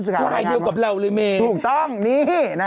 แจ๊กเข้ามาจากบ้านฉันนี่แหละ